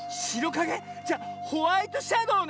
じゃホワイトシャドーね。